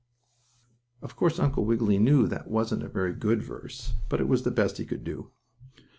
Of course, Uncle Wiggily knew that wasn't a very good verse, but it was the best he could do.